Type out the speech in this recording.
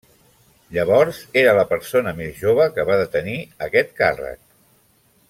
Llavors era la persona més jove que va detenir aquest càrrec.